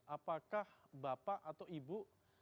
apakah bapak atau ibu